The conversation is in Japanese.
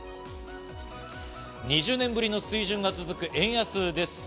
２０年ぶりの水準が続く円安です。